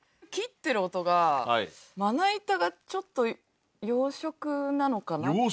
切ってる音がまな板がちょっと洋食なのかな。